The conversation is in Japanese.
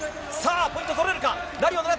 ポイントを取れるか？